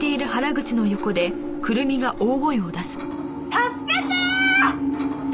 助けてー！